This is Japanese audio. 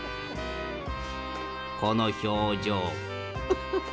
この表情。